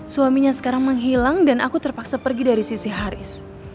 suaminya sekarang menghilang dan aku terpaksa pergi dari sisi haris